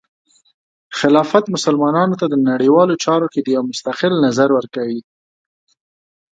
خلافت مسلمانانو ته د نړیوالو چارو کې د یو مستقل نظر ورکوي.